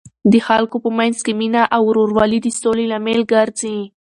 د خلکو په منځ کې مینه او ورورولي د سولې لامل ګرځي.